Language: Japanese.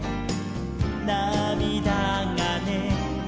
「なみだがね」